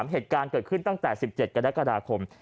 เหตุการณ์เกิดขึ้นตั้งแต่๑๗กรกฎาคม